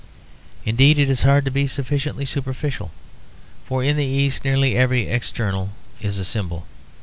Indeed it is hard to be sufficiently superficial; for in the East nearly every external is a symbol.